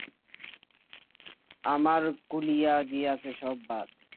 আমার খুলিয়া গিয়াছে সব বাঁধ।